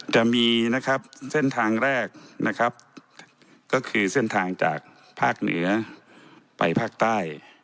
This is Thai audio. จะมีเส้นทางแรกก็คือเส้นทางจากภาคเหนือไปภาคใต้